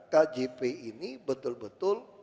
kjp ini betul betul